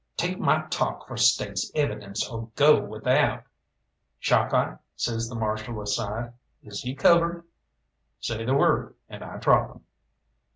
Take my talk for State's evidence, or go without!" "Chalkeye," says the Marshal aside, "is he covered?" "Say the word, and I drop him."